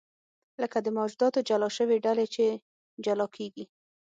لکه د موجوداتو جلا شوې ډلې چې جلا کېږي.